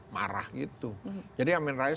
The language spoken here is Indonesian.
marah gitu jadi amin rais